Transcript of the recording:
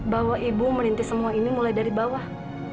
bahwa ibu merintis semua ini mulai dari bawah